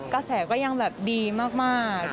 กระแสก็ยังแบบดีมาก